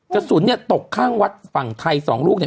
กระสุนตกข้างวัดฝั่งไทยซองลูกเนี่ย